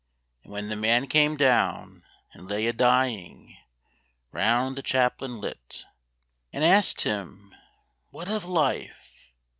And when the man came down And lay a dying, round the chaplain lit, And asked him "What of life?"